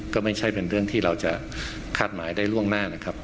ก็ไม่ใช่เป็นเรื่องที่เราจะคาดหมายได้ล่วงหน้านะครับ